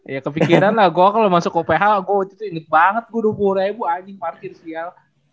ya kepikiran lah gue kalo masuk ke uph gue inget banget gue dua puluh ribu anjing parkir sial